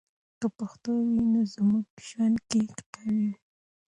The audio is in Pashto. که پښتو وي، نو زموږ ژوند کې قوی وي.